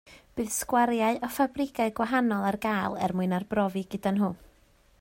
Bydd sgwariau o ffabrigau gwahanol ar gael er mwyn arbrofi gyda nhw